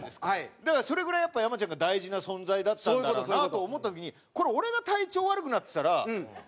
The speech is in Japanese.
だからそれぐらい山ちゃんが大事な存在だったんだろうなと思った時にこれ俺が体調悪くなってたら。